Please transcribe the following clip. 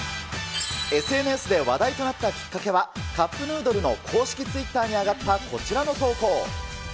ＳＮＳで話題となったきっかけは、カップヌードルの公式ツイッターに上がったこちらの投稿。